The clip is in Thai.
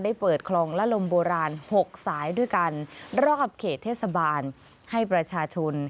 เปิดคลองและลมโบราณ๖สายด้วยกันรอบเขตเทศบาลให้ประชาชน